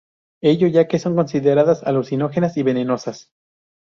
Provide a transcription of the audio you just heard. Ello, ya que son consideradas alucinógenas y venenosas.